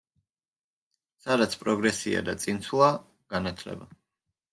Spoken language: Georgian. სადაც პროგრესია და წინსვლა, განათლება.